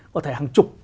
có thể hàng chục